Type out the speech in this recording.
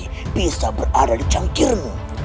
kami bisa berada di cangkirmu